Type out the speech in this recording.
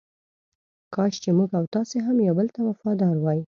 کاش چې موږ او تاسې هم یو بل ته وفاداره وای.